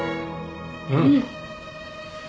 うん。